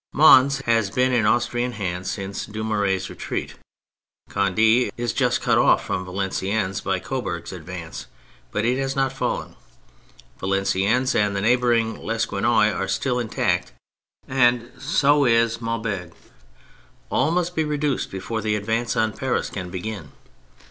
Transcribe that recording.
Mons has been in Austrian hands since Dunioiuriez' retreat ; Conde is just cut off from Valenciennes by Coburg's advance, but has not fallen ; Valenciennes and the neighbouring Lequesnoy are still intact, and so is Maubeuge. All must be reduced before the advance on Paris can begin.